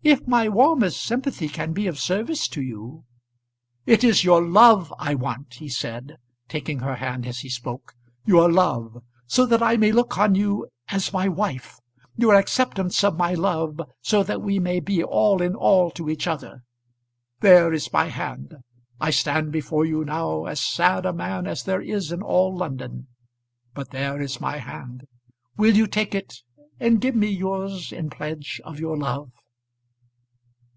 "If my warmest sympathy can be of service to you " "It is your love I want," he said, taking her hand as he spoke. "Your love, so that I may look on you as my wife; your acceptance of my love, so that we may be all in all to each other. There is my hand. I stand before you now as sad a man as there is in all London. But there is my hand will you take it and give me yours in pledge of your love."